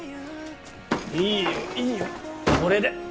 いよいよこれで。